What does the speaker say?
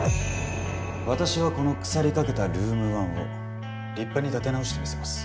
私はこの腐りかけたルーム１を立派に立て直してみせます。